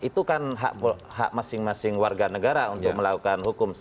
itu kan hak masing masing warga negara untuk melakukan hukum